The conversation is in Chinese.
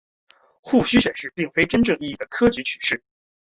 戊戌选试并非真正意义的科举取士。